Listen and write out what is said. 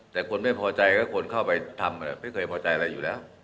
แต่คนไม่พอใจก็คนเข้าไปทำไม่เคยพอใจอะไรอยู่แล้ว